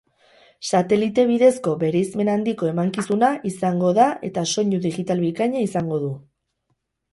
Satelite bidezko bereizmen handiko emankizuna izango da eta soinu digital bikaina izango du.